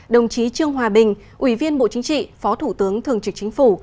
đồng chí trương hòa bình ủy viên bộ chính trị phó thủ tướng thường trực chính phủ